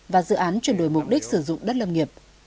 và dự án chuyển đổi mục đích sử dụng đất lâm nghiệp